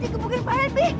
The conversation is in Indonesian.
di bukun pak elvi